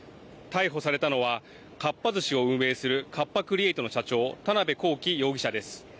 逮捕されたのは、かっぱ寿司を運営するカッパ・クリエイトの社長、田邊公己容疑者です。